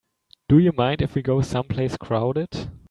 Do you mind if we go someplace crowded?